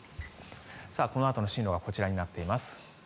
このあとの進路がこちらになっています。